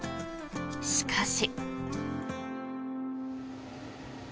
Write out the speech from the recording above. しかし。